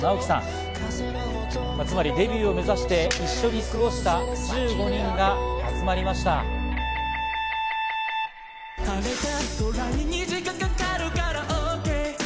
つまり、デビューを目指して一緒に過ごした１５人が集まりました。